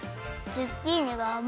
ズッキーニがあまい。